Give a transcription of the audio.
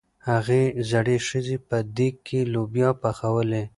هغې زړې ښځې په دېګ کې لوبیا پخولې.